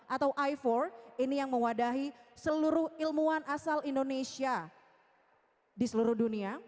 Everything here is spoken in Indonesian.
atau i empat ini yang mewadahi seluruh ilmuwan asal indonesia di seluruh dunia